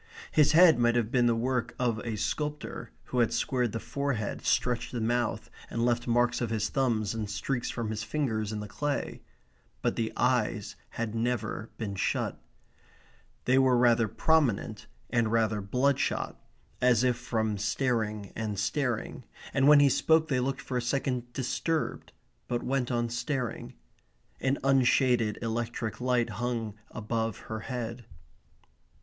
His head might have been the work of a sculptor, who had squared the forehead, stretched the mouth, and left marks of his thumbs and streaks from his fingers in the clay. But the eyes had never been shut. They were rather prominent, and rather bloodshot, as if from staring and staring, and when he spoke they looked for a second disturbed, but went on staring. An unshaded electric light hung above her head.